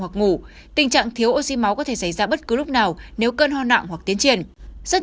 hoặc ngủ tình trạng thiếu oxy máu có thể xảy ra bất cứ lúc nào nếu cơn ho nặng hoặc tiến triển rất